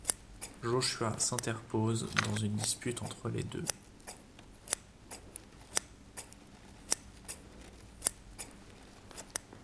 Joshua s'interpose dans une dispute entre les deux.